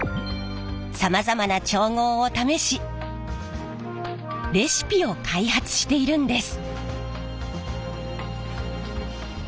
さまざまな調合を試しレシピを開発しているんです。